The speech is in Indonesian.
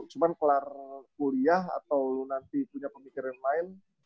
cuma kelar kuliah atau nanti punya pemikiran lain